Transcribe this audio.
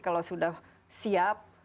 kalau sudah siap